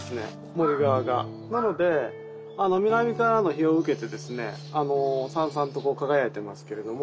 なので南からの日を受けてですねサンサンと輝いてますけれども。